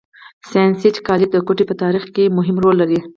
ساینس کالج د کوټي په تارېخ کښي مهم رول لري.